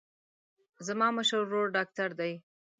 زما مشر ورور ډاکتر دی.